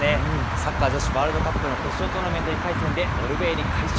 サッカー女子ワールドカップの決勝トーナメント１回戦でノルウェーに快勝。